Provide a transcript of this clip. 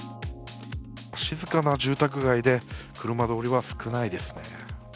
静かな住宅街で車どおりは少ないですね。